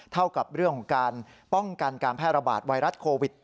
เท่ากับเรื่องของการป้องกันการแพร่ระบาดไวรัสโควิด